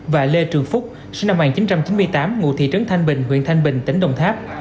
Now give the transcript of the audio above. và lê trường phúc sinh năm một nghìn chín trăm chín mươi tám ngụ thị trấn thanh bình huyện thanh bình tỉnh đồng tháp